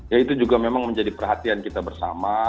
ya itu juga memang menjadi perhatian kita bersama